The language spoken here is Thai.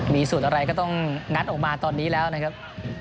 มีสูตรอะไรก็ต้องงัดออกมาตอนนี้แล้วนะครับ